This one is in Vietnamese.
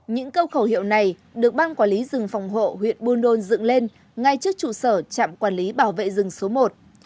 những câu khẩu hiệu này được ban quản lý rừng phòng hộ huyện buôn đôn dựng lên ngay trước trụ sở trạm quản lý bảo vệ rừng số một